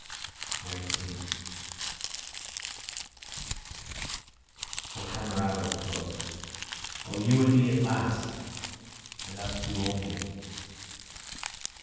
19 O camerado close! O you and me at last, and us two only.